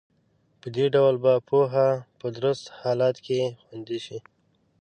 په دې ډول به پوهه په درست حالت کې خوندي شي.